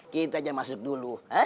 kita aja masuk dulu